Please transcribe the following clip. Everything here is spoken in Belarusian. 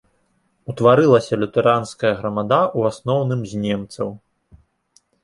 Утварылася лютэранская грамада, у асноўным з немцаў.